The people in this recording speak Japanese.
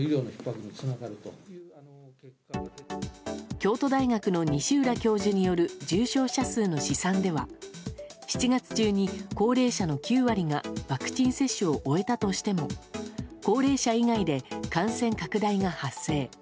京都大学の西浦教授による重症者数の試算では７月中に高齢者の９割がワクチン接種を終えたとしても高齢者以外で感染拡大が発生。